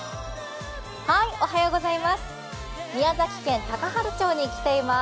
宮崎県高原町に来ています。